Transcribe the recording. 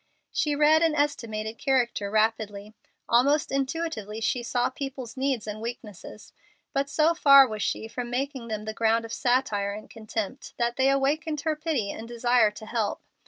She read and estimated character rapidly. Almost intuitively she saw people's needs and weaknesses, but so far was she from making them the ground of satire and contempt that they awakened her pity and desire to help.